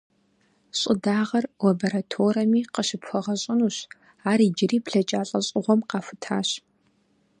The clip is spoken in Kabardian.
Щӏыдагъэр лабораторэми къыщыпхуэгъэщӏынущ, ар иджыри блэкӏа лӏэщӏыгъуэм къахутащ.